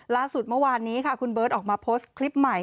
ล่าสุดเมื่อวานนี้ค่ะคุณเบิร์ตออกมาโพสต์คลิปใหม่